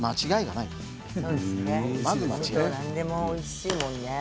なんでもおいしいもんね。